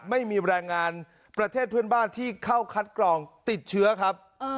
ไม่มีแรงงานประเทศเพื่อนบ้านที่เข้าคัดกรองติดเชื้อครับ